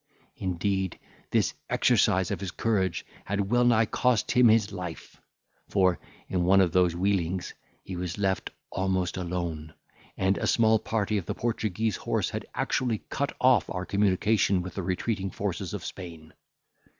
Indeed, this exercise of his courage had well nigh cost him his life; for, in one of those wheelings, he was left almost alone, and a small party of the Portuguese horse had actually cut off our communication with the retreating forces of Spain.